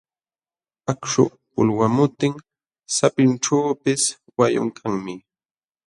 Akśhu pulwamutin sapinćhuupis wayun kanmi.